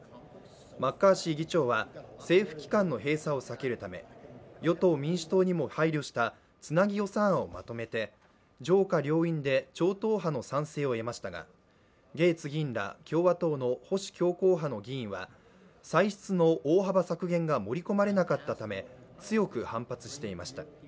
マッカーシー議長は政府機関の閉鎖を避けるため与党・民主党にも配慮したつなぎ予算案をまとめて上下両院で超党派の賛成を得ましたがゲーツ議員ら共和党の保守強硬派の議員は歳出の大幅削減が盛り込まれなかったため強く反発していました。